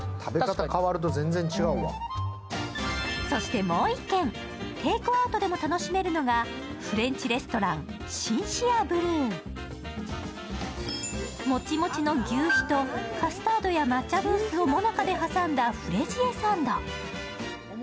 そしてもう１軒、テークアウトでも楽しめるのがフレンチレストラン、ＳｉｎｃｅｒｅＢｌｕｅもちもちのぎゅうひとカスタードや抹茶ムースを最中で挟んだフレジエサンド。